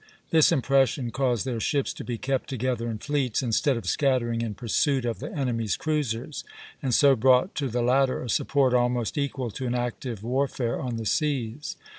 This impression caused their ships to be kept together in fleets, instead of scattering in pursuit of the enemy's cruisers, and so brought to the latter a support almost equal to an active warfare on the seas.